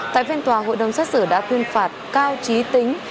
tại phiên tòa hội đồng xét xử đã tuyên phạt cao trí tính